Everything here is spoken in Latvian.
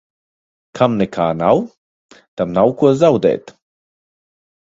Kam nekā nav, tam nav ko zaudēt.